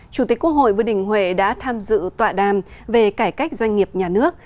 chủ tịch quốc hội vương đình huệ đã tham dự tọa đàm về cải cách doanh nghiệp nhà nước